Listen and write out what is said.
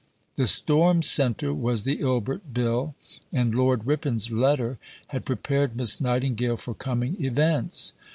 The storm centre was the Ilbert Bill, and Lord Ripon's letter had prepared Miss Nightingale for coming events.